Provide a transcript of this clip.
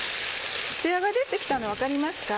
つやが出て来たの分かりますか？